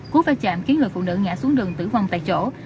cú va chạm khiến người phụ nữ ngã xuống đường tử vong tại chỗ